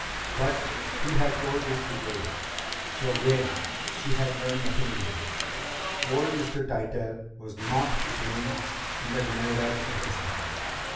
But he had told this to Joey, so again she had learned nothing new. Old Mr. Tytell was not playing in the Granada's orchestra.